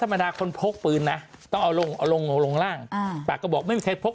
ธรรมดาคนพกปืนนะต้องเอาลงลงล่างปากก็บอกไม่มีใครพก